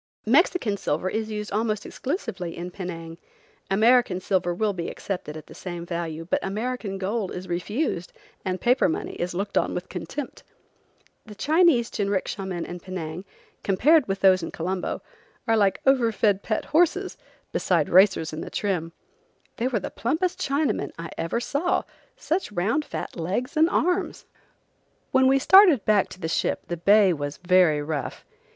Mexican silver is used almost exclusively in Penang. American silver will be accepted at the same value, but American gold is refused and paper money is looked on with contempt. The Chinese jinricksha men in Penang, compared with those in Colombo, are like over fed pet horses besides racers in trim. They were the plumpest Chinamen I ever saw; such round fat legs and arms! When we started back to the ship the bay was very rough.